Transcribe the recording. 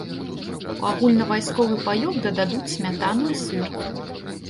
У агульнавайсковы паёк дададуць смятану і сыр.